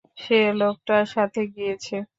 সে লোকটার সাথে গিয়েছে।